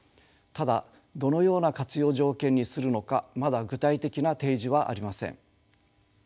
ただどのような活用条件にするのかまだ具体的な提示はありません。